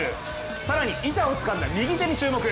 更に板をつかんだ右手に注目。